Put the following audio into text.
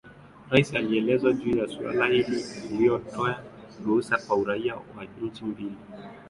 Rais alielezwa juu ya suala hili ilia toe ruhusa ya uraia wa nchi mbili